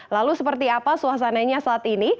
lalu seperti apa suasananya saat ini